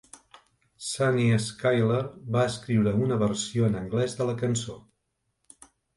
Sunny Skylar va escriure una versió en anglès de la cançó.